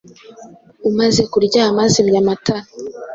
Umaze kuryama zimya amatara.